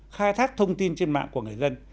khai thác thông tin trên mạng của người dân